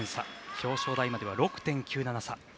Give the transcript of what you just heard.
表彰台までは６．９７差。